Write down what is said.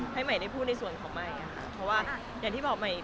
ให้ใหม่ได้พูดในส่วนของใหม่ค่ะ